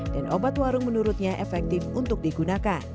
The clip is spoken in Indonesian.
dan obat warung menurutnya efektif untuk digunakan